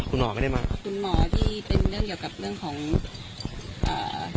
คุณหมอไม่ได้มาคุณหมอที่เป็นเรื่องเกี่ยวกับเรื่องของอ่า